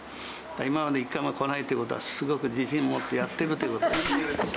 今まで一回も来ないってことはすごく自信持ってやっているという聞いてるでしょ。